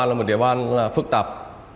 là một địa bàn phức tạp